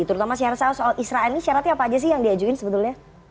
terutama syarat syarat soal israel ini syaratnya apa aja sih yang diajuin sebetulnya